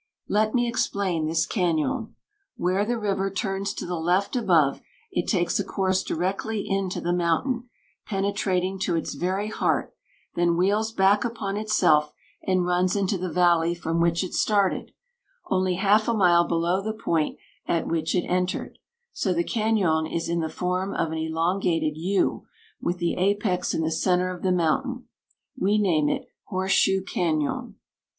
"Let me explain this cañon. Where the river turns to the left above, it takes a course directly into the mountain, penetrating to its very heart, then wheels back upon itself, and runs into the valley from which it started, only half a mile below the point at which it entered; so the cañon is in the form of an elongated =U=, with the apex in the center of the mountain. We name it Horseshoe Cañon.